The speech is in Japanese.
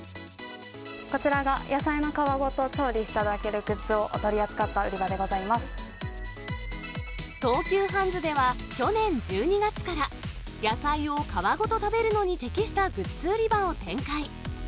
こちらが野菜の皮ごと調理していただけるグッズをお取り扱っ東急ハンズでは去年１２月から、野菜を皮ごと食べるのに適したグッズ売り場を展開。